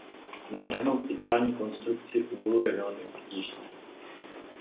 Navrhnout ideální konstrukci úlu je velmi obtížné.